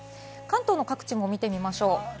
関東の各地も見てみましょう。